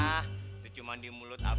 nah itu cuma di mulut abah